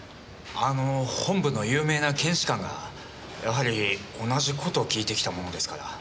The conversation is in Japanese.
あの本部の有名な検視官がやはり同じ事を訊いてきたものですから。